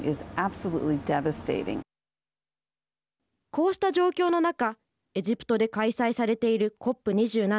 こうした状況の中、エジプトで開催されているＣＯＰ２７。